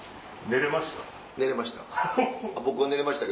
寝れました